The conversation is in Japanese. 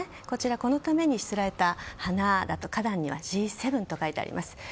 このためにしつらえた花だと花壇には「Ｇ７」とかいてあります。